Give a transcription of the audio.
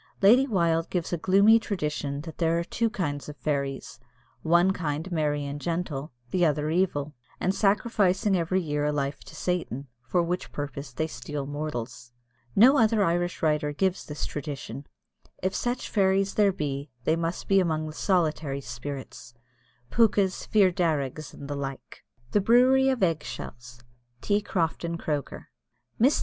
Lady Wilde gives a gloomy tradition that there are two kinds of fairies one kind merry and gentle, the other evil, and sacrificing every year a life to Satan, for which purpose they steal mortals. No other Irish writer gives this tradition if such fairies there be, they must be among the solitary spirits Pookas, Fir Darrigs, and the like. THE BREWERY OF EGG SHELLS. T. CROFTON CROKER. Mrs.